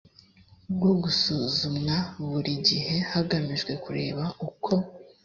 bwo gusuzumwa buri gihe hagamijwe kureba uko